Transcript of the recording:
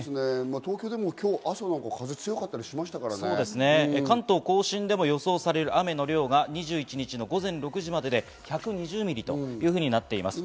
東京でも今日朝、風強かった関東甲信でも予想される雨の量が２１日の午前６時までで１２０ミリというふうになっています。